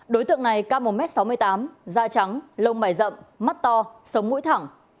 đối tượng này ca một m sáu mươi tám da trắng lông bảy rậm mắt to sống mũi thẳng